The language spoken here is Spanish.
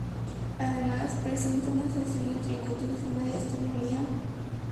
Además, presenta una sección de tributos y una de astronomía.